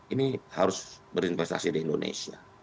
ini harus berinvestasi di indonesia